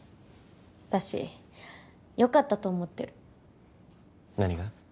私よかったと思ってる何が？